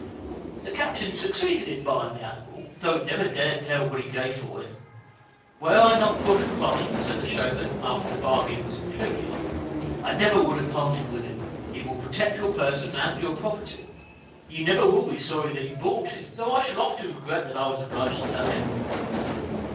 The captain succeeded in buying the animal, though he never dared to tell what he gave for him. "Were I not pushed for money," said the showman, after the bargain was concluded, "I never would have parted with him; he will protect your person and your property; you never will be sorry that you bought him, though I shall often regret that I was obliged to sell him."